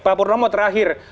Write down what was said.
pak purnomo terakhir